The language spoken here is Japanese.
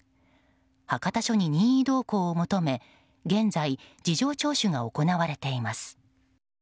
博多署に任意同行を求め現在、事情聴取が行われています。